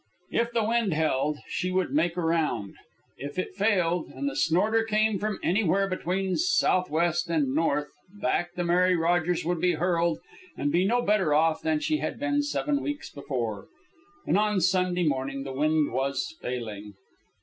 If the wind held, she would make around. If it failed, and the snorter came from anywhere between south west and north, back the Mary Rogers would be hurled and be no better off than she had been seven weeks before. And on Sunday morning the wind was failing.